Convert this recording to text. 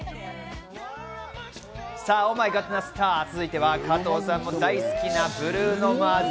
ＯｈｍｙＧｏｄなスター、続いては加藤さんも大好きなブルーノ・マーズ。